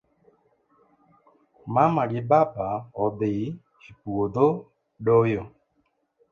Mama gi baba odhii e puodho doyo